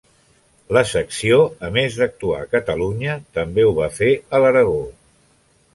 La Secció a més d’actuar a Catalunya també ho va fer a l'Aragó.